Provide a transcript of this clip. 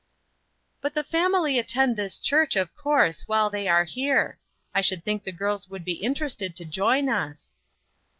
"But the family attend this church, of course, while they are here. I should think the girls would be interested to join us."